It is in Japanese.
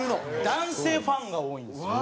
男性ファンが多いんですよね。